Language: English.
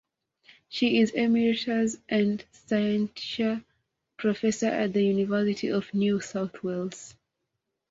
She is Emeritus and Scientia Professor at the University of New South Wales.